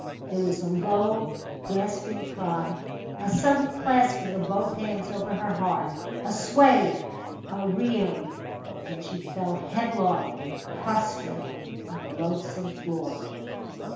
There was a low, grasping cry a sudden clasping of both hands over her heart, a sway, a reel, and she fell headlong prostrate on the loathsome floor.